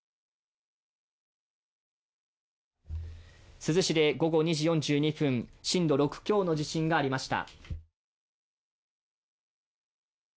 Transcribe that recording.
珠洲市で午後２時４２分震度６強の地震がありました。